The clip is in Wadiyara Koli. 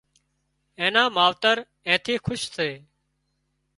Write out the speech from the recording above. اين نان ماوتر اين ٿي کُش سي